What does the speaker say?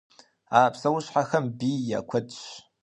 А псэущхьэхэм бий я куэдщ.